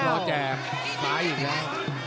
รอแจกมาอีกแล้ว